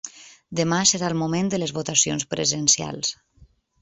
Demà serà el moment de les votacions presencials.